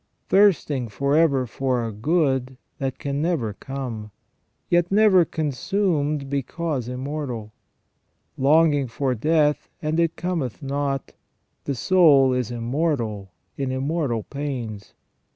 Thirsting for ever for a good that can never come, yet never consumed because immortal; "longing for death, and it cometh not," the soul is immortal in immortal pains.